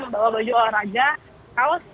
membawa baju olahraga kaos